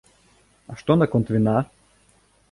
А што наконт віна?